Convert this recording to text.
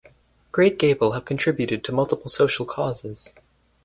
Great Gable have contributed to multiple social causes.